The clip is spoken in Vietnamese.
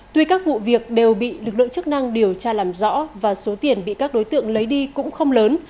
tuy các vụ việc đều bị lực lượng chức năng điều tra làm rõ và số tiền bị các đối tượng lấy đi cũng không lớn